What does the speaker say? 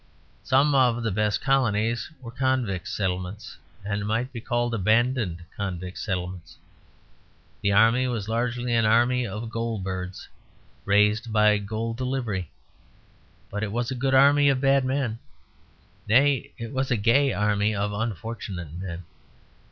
Some of the best colonies were convict settlements, and might be called abandoned convict settlements. The army was largely an army of gaol birds, raised by gaol delivery; but it was a good army of bad men; nay, it was a gay army of unfortunate men.